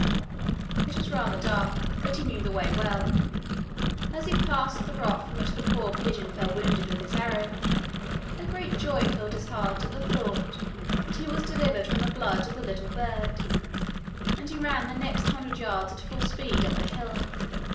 It was rather dark, but he knew the way well. As he passed the rock from which the poor pigeon fell wounded with his arrow, a great joy filled his heart at the thought that he was delivered from the blood of the little bird, and he ran the next hundred yards at full speed up the hill.